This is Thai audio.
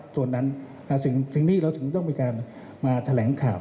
ส่วนนั้นเราต้องเป็นการมาแถลงข่าว